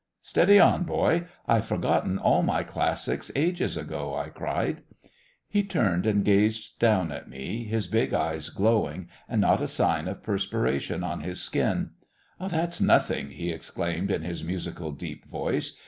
"Steady on, boy! I've forgotten all my classics ages ago," I cried. He turned and gazed down on me, his big eyes glowing, and not a sign of perspiration on his skin. "That's nothing," he exclaimed in his musical, deep voice.